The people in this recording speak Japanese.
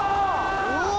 うわ！